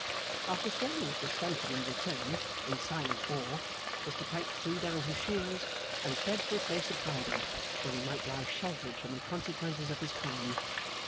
After staring at this phantom in return, in silent awe, Mr Pancks threw down his shears, and fled for a place of hiding, where he might lie sheltered from the consequences of his crime.